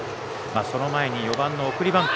その前に４番の送りバント。